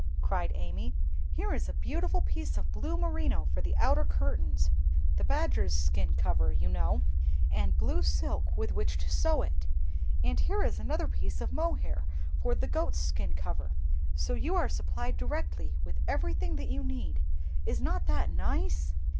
cried Amy. "Here is a beautiful piece of blue merino for the outer curtains (the badgers' skin cover, you know), and blue silk with which to sew it; and here is another piece of mohair for the goats' skin cover, so you are supplied directly with everything that you need; is not that nice?"